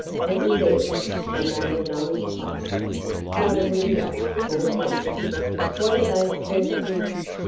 It was empty and they were non plussed. "Not a window!" called one. "What are those curtains?"